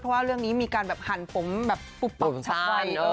เพราะว่าเรื่องนี้มีการแบบหั่นผมแบบปุ๊บปับฉับไว